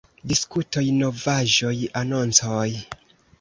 Diskutoj, Novaĵoj, Anoncoj.